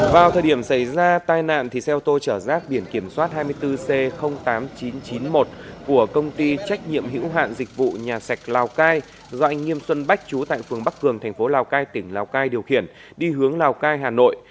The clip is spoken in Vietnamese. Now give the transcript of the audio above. vào thời điểm xảy ra tai nạn xe ô tô chở rác biển kiểm soát hai mươi bốn c tám nghìn chín trăm chín mươi một của công ty trách nhiệm hữu hạn dịch vụ nhà sạch lào cai do anh nghiêm xuân bách trú tại phường bắc cường thành phố lào cai tỉnh lào cai điều khiển đi hướng lào cai hà nội